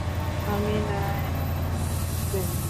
আমি নায়নার বয়ফ্রেন্ড।